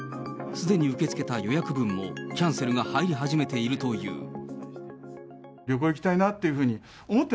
すでに受け付けた予約分も、キャンセルが入り始めているという。